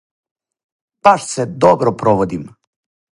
Баш се добро проводим!